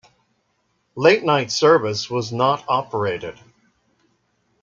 Late night service was not operated.